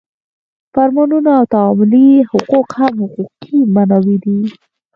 فرمانونه او تعاملي حقوق هم حقوقي منابع دي.